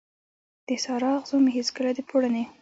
د سارا، اغزو مې پیڅکه د پوړنې